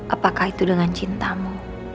apakah itu dengan cintamu